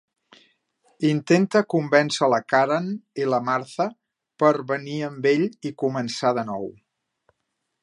Intenta convèncer la Karen i la Martha per venir amb ell i començar de nou.